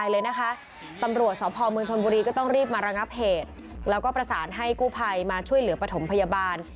แล้วก็ประสานให้กู้ภัยมาช่วยเหลือปฐมพยาบาล